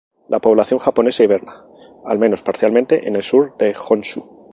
La población japonesa inverna, al menos parcialmente, en el sur de Honshū.